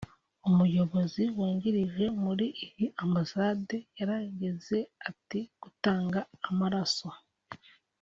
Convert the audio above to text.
Umuyobozi w’ungirije muri iyi Ambasade yaragize ati “gutanga amaraso